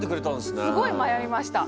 すごいまよいました。